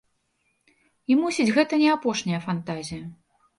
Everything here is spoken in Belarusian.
І, мусіць, гэта не апошняя фантазія.